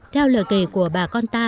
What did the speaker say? theo lời kể của bà con ta